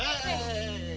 reh reh nyala